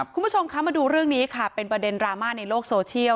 คุณผู้ชมคะมาดูเรื่องนี้ค่ะเป็นประเด็นดราม่าในโลกโซเชียล